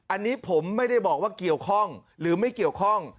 อันนี้ผมไม่ได้บอกว่าเกี่ยวข้องหรือไม่เกี่ยวข้อง